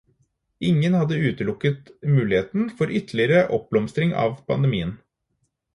Ingen hadde utelukket muligheten for ytterligere oppblomstring av pandemien.